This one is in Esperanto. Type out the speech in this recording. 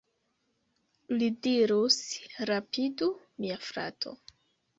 Li dirus: "rapidu, mia frato!"